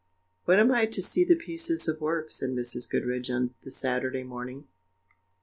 "When am I to see the pieces of work?" said Mrs. Goodriche on the Saturday morning.